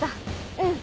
うん。